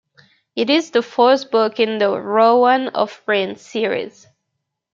It is the fourth book in the "Rowan of Rin" series.